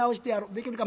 「できるか？」。